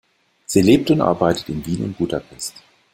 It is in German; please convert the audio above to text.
Sie lebt und arbeitet in Wien und in Budapest.